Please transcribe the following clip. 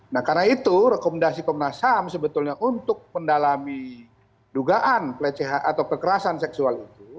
nah karena itu rekomendasi komnas ham sebetulnya untuk mendalami dugaan pelecehan atau kekerasan seksual itu